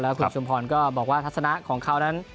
คุณชุมพรก็บอกว่าทัศนะของเขานั้น